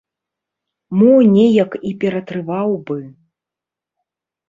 Мо неяк і ператрываў бы.